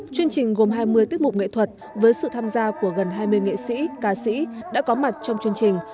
chương trình gồm hai mươi tiết mục nghệ thuật với sự tham gia của gần hai mươi nghệ sĩ ca sĩ đã có mặt trong chương trình